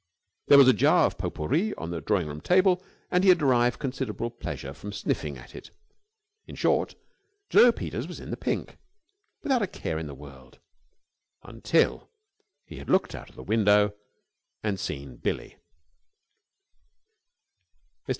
There was a jar of pot pourri on the drawing room table, and he had derived considerable pleasure from sniffing at it. In short, Jno. Peters was in the pink, without a care in the world, until he had looked out of the window and seen Billie. "Mr.